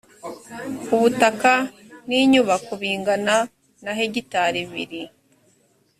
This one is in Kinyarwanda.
ubutaka n inyubako bingana na hegitari biri